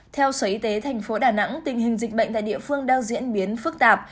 theo sở y tế thành phố đà nẵng tình hình dịch bệnh tại địa phương đang diễn biến phức tạp